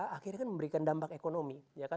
akhirnya kan memberikan dampak ekonomi